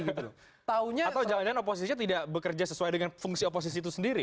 atau jangan jangan oposisinya tidak bekerja sesuai dengan fungsi oposisi itu sendiri